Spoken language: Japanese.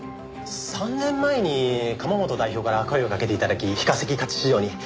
３年前に釜本代表から声をかけて頂き非化石価値市場に。